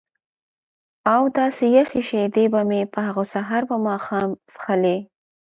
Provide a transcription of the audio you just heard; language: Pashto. او داسې یخې شیدې به مې په هغو سهار و ماښام څښلې.